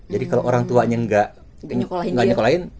jadi kalau orang tuanya gak nyekolahin